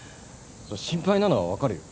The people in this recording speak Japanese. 心配なのは分かるよ。